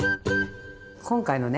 今回のね